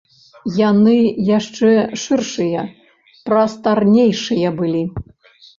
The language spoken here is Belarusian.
Яны яшчэ шыршыя, прастарнейшыя былі.